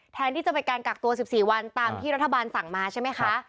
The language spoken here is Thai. แทนที่จะไปการกักตัว๑๔วันตามที่รัฐบาลสั่งมาใช่ไหมคะ